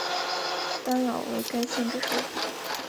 丹老为该县之首府。